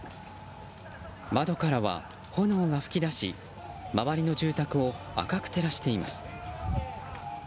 窓からは炎が噴き出し周りの住宅を赤く照らしています。